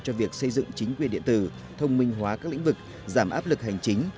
cho việc xây dựng chính quyền điện tử thông minh hóa các lĩnh vực giảm áp lực hành chính